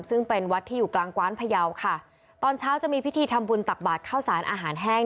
ซึ่งเป็นวัดที่อยู่กลางกว้านพยาวค่ะตอนเช้าจะมีพิธีทำบุญตักบาทข้าวสารอาหารแห้ง